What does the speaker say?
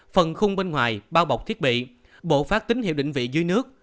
phần khung bên ngoài bao bọc thiết bị bộ phát tín hiệu định vị dưới nước